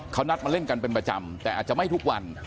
เขานัดมาเล่นกันเป็นประจำแต่อาจจะไม่ทุกวัน